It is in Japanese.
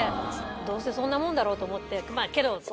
どうせそんなもんだろうと思ってけど。